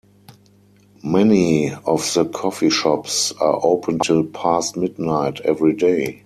Many of the coffeeshops are open till past midnight every day.